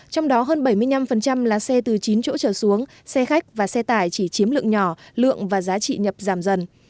trong đó hơn bảy mươi năm lái xe từ chín chỗ trở xuống xe khách và xe tải chỉ chiếm lượng nhỏ lượng và giá trị nhập giảm dần